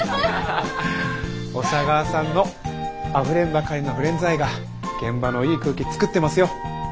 小佐川さんのあふれんばかりのフレンズ愛が現場のいい空気つくってますよ。